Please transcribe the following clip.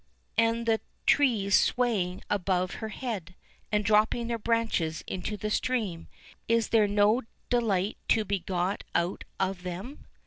And the trees swaying about her head, and dropping their branches into the stream, is there no delight to be got out of them?